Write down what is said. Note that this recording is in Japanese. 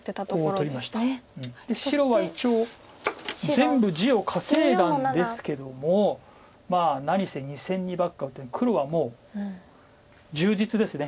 全部地を稼いだんですけどもまあ何せ２線にばっか打って黒はもう充実です。